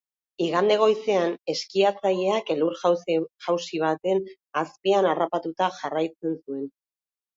Igande goizean, eskiatzaileak elur-jausi baten azpian harrapatuta jarraitzen zuen.